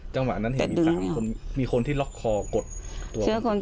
จังหวะนั้นเห็นอีก๓คนมีคนที่ล็อกคอกดตัว